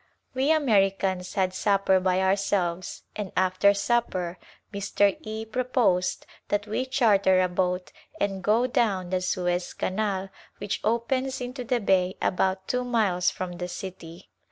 We Ameri cans had supper by ourselves and after supper Mr. E proposed that we charter a boat and go down the Suez canal which opens into the bay about two miles from the city.